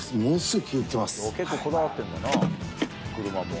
結構こだわってんだな車も。